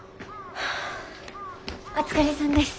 お疲れさんです。